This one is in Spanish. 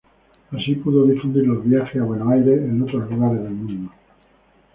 Así pudo difundir los viajes a Buenos Aires en otros lugares del mundo.